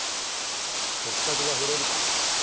触角が触れるか。